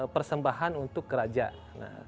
persembahan untuk kerajaan